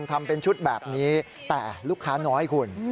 ทำเป็นชุดแบบนี้แต่ลูกค้าน้อยคุณ